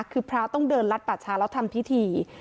คือพระต้องเดินลัดป่าชาแล้วทำพิธี